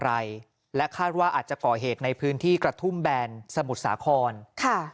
อะไรและคาดว่าอาจจะก่อเหตุในพื้นที่กระทุ่มแบนสมุทรสาครค่ะ